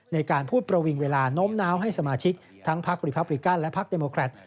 ในการพูดประวิงเวลาโน้มน้าวให้สมาชิกทั้งพักรีพับริกันและพักเดโมแครต